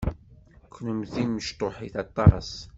Kenemti mecṭuḥit aṭas.